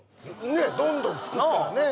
ねえどんどん作ったらね